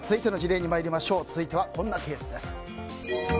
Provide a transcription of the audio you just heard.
続いてはこんなケースです。